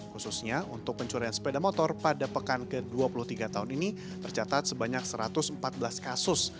khususnya untuk pencurian sepeda motor pada pekan ke dua puluh tiga tahun ini tercatat sebanyak satu ratus empat belas kasus